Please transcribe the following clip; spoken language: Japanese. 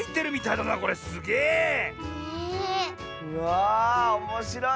うわあおもしろい。